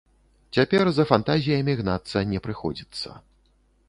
Цяпер за фантазіямі гнацца не прыходзіцца.